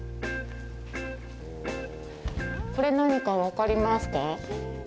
これ、何か分かりますか。